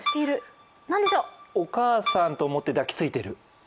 お母さんと思って抱きついてる？